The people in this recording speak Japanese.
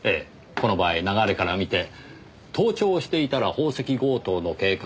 この場合流れから見て盗聴をしていたら宝石強盗の計画を知った。